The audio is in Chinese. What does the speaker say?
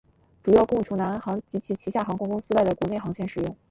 主要供除南航及其旗下航空公司外的国内航线使用。